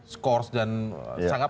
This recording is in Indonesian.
skor dan sangat